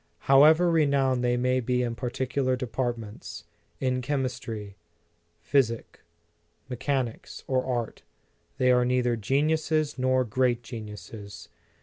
However renowned they may be in partic ular departments, in chemistry, physic, me chanics, or art, they are neither geniuses nor great geniuses.